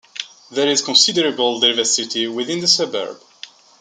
There is considerable diversity within the suburb.